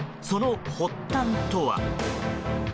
その発端とは。